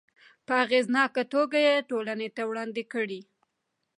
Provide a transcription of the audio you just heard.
په اغیزناکه توګه یې ټولنې ته وړاندې کړي.